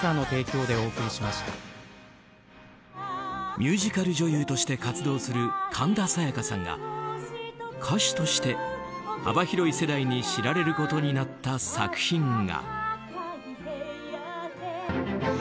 ミュージカル女優として活動する神田沙也加さんが歌手として幅広い世代に知られることになった作品が。